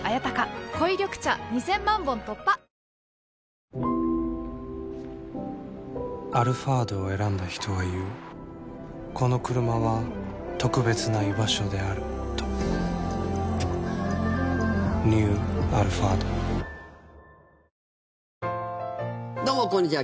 サントリー「アルファード」を選んだ人は言うこのクルマは特別な居場所であるとニュー「アルファード」どうもこんにちは。